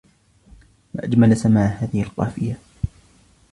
ما أجمل سماع هذه القافية